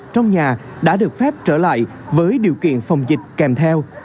trong nhà đã được phép trở lại với điều kiện phòng dịch kèm theo